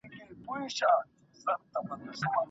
ولي مدام هڅاند د تکړه سړي په پرتله ښه ځلېږي؟